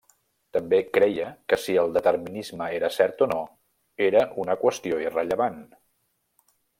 També creia que si el determinisme era cert o no, era una qüestió irrellevant.